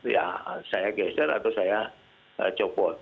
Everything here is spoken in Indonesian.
ya saya geser atau saya copot